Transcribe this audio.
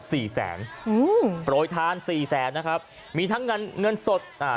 สี่แสนอืมโปรยทานสี่แสนนะครับมีทั้งเงินเงินสดอ่า